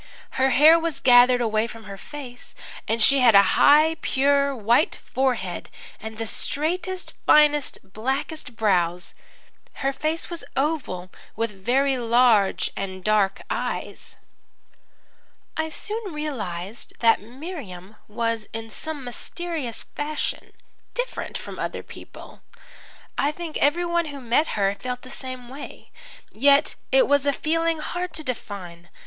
Her hair was gathered away from her face, and she had a high, pure, white forehead, and the straightest, finest, blackest brows. Her face was oval, with very large and dark eyes. "I soon realized that Miriam was in some mysterious fashion different from other people. I think everyone who met her felt the same way. Yet it was a feeling hard to define.